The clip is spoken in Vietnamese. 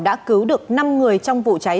đã cứu được năm người trong vụ cháy